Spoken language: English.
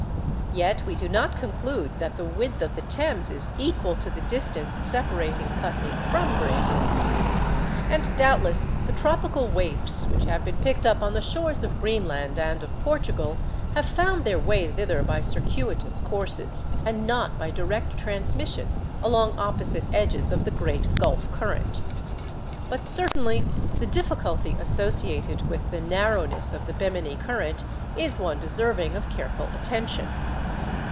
Yet we do not conclude that the width of the Thames is equal to the distance separating Putney from Gravesend. And doubtless the tropical waifs which have been picked up on the shores of Greenland and of Portugal have found their way thither by circuitous courses, and not by direct transmission along opposite edges of the great Gulf current. But certainly the difficulty associated with the narrowness of the Bemini current is one deserving of careful attention.